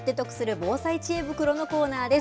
防災知恵袋のコーナーです。